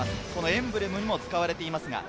エンブレムにも使われています。